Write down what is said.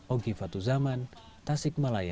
ogi fatu zaman tasik malaya